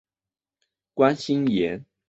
关心妍